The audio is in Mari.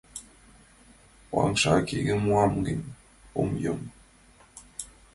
— Ушанрак еҥым муам гын, ом йом.